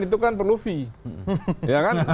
itu kan perlu fee